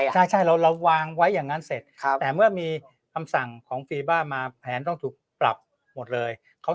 ใช่เราวางไว้อย่างนั้นเสร็จแต่เมื่อมีคำสั่งของฟีบ้ามาแผนต้องถูกปรับหมดเลย